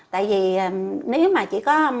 tại vì nếu mà chỉ có